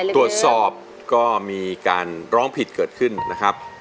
ตรวจสอบก็มีการร้องผิดเกิดขึ้นนะครับ